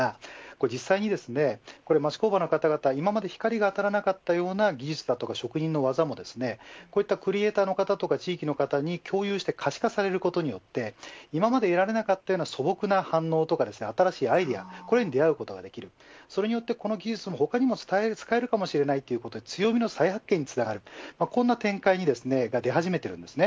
実際に町工場の方々、今まで光が当たらなかったような技術や職人の技もこういったクリエイターの方や地域の方に共有して可視化されることによって今まで得られなかったような素朴な反応や新しいアイデアに出会うことができるそれによってその技術、他にも使えるかもしれないということで強めの再発見につながるこんな展開が出始めています。